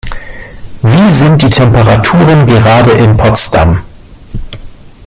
Wie sind die Temperaturen gerade in Potsdam?